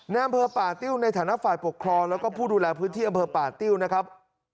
อำเภอป่าติ้วในฐานะฝ่ายปกครองแล้วก็ผู้ดูแลพื้นที่อำเภอป่าติ้วนะครับ